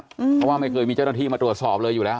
เพราะว่าไม่เคยมีเจ้าหน้าที่มาตรวจสอบเลยอยู่แล้ว